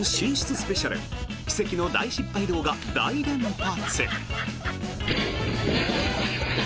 スペシャル奇跡の大失敗動画大連発！